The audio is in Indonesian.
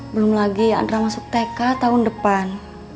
belum lagi yang termasuk tk tahun depan